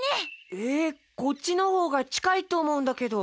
えっこっちのほうがちかいとおもうんだけど。